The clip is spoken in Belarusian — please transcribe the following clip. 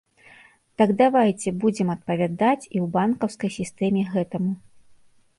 Так давайце будзем адпавядаць і ў банкаўскай сістэме гэтаму.